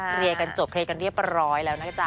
คลียรกันจบเครตก็เรียบร้อยแล้วนะจ๊ะ